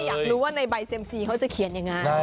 อยากรู้ว่าในใบเซ็มซีเขาจะเขียนยังไง